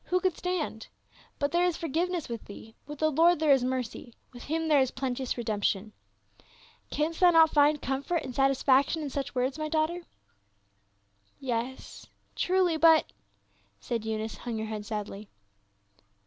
Who should stand? But there is forgiveness with thee. With the Lord there is mercy, With him there is plenteous redemption.' " Canst thou not find comfort and satisfaction in such words, my daughter?" " Yes, truly, but —" and Eunice hung her head sadly.